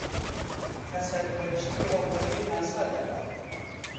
کە سەرپەرشتیی ھەوڵەکەی ناسا دەکات